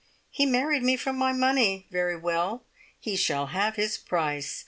He married me for my money very well, he shall have his price!